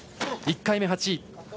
１回目８位。